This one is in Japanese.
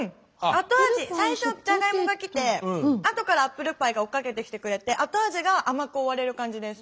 後味最初じゃがいもがきてあとからアップルパイが追っかけてきてくれて後味が甘く終われる感じです。